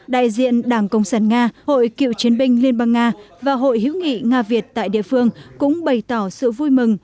đại diện đảng cộng sản nga hội cựu chiến binh liên bang nga và hội hữu nghị nga việt tại địa phương cũng bày tỏ sự vui mừng